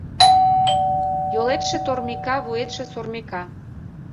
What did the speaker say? — Йолетше тормика, вуетше сормика!